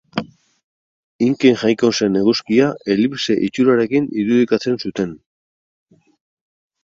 Inken jainko zen eguzkia elipse itxurarekin irudikatzen zuten.